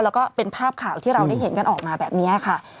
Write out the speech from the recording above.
แล้วก็เป็นภาพข่าวที่เราได้เห็นกันออกมาแบบนี้ค่ะ